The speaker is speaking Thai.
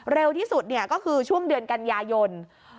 เร็วที่สุดก็คือช่วงเดือนกันยายน